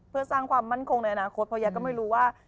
เพื่อสร้างความมั่นคงในอนาคตเพราะยายก็ไม่รู้ว่า